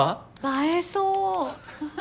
映えそう！